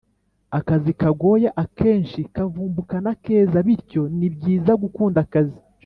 akazi kagoye akenshi kavumbukana akeza bityo ni byiza gukunda akazi